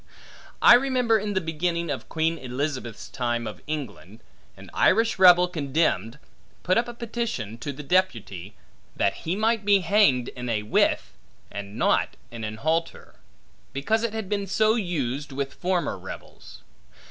I remember, in the beginning of Queen Elizabeth's time of England, an Irish rebel condemned, put up a petition to the deputy, that he might be hanged in a withe, and not in an halter; because it had been so used, with former rebels.